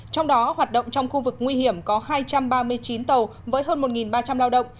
trong đó hoạt động trong khu vực nguy hiểm có hai trăm ba mươi chín tàu với hơn một ba trăm linh lao động